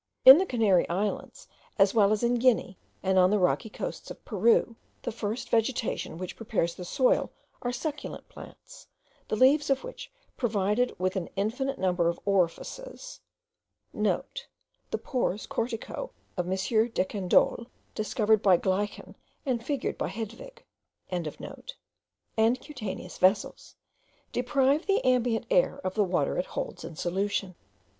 In the Canary Islands, as well as in Guinea, and on the rocky coasts of Peru, the first vegetation which prepares the soil are the succulent plants; the leaves of which, provided with an infinite number of orifices* (* The pores corticaux of M. Decandolle, discovered by Gleichen, and figured by Hedwig.) and cutaneous vessels, deprive the ambient air of the water it holds in solution.